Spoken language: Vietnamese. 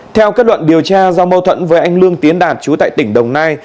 theo kết luận điều tra do mâu thuẫn với anh lương tiến đạt chú tại tỉnh đồng nai